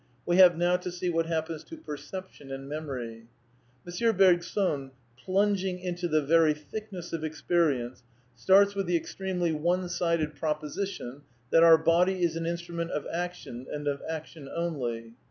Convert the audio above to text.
We have now to see what happens to perception and memory. M. Bergson, plunging into the very thick l> ness of experience, starts with the extremely one sided"''"^ \ proposition that our body is an instrument of action and of action only.